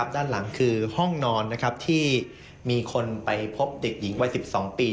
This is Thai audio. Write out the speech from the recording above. ด้านหลังคือห้องนอนที่มีคนไปพบเด็กหญิงวัย๑๒ปี